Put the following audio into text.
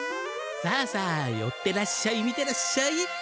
さあさあよってらっしゃい見てらっしゃい！